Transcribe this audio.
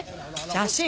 写真！